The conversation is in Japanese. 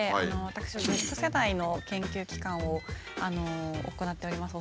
私Ｚ世代の研究機関を行っております